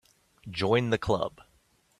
Join the Club.